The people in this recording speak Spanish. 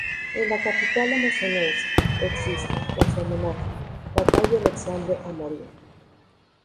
En la capital amazonense, existe, en su homenaje, la Calle Alexandre Amorim.